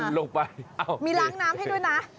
มีล้างน้ำให้ด้วยนะ